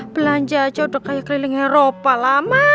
belanja aja udah kayak kelilingnya ropa lama